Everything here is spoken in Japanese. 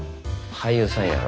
俳優さんやろ？